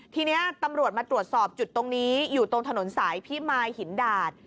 ทีนี้ตำรวจมาตรวจสอบจุดตรงนี้อยู่ตรงถนนสายพิมายหินดาด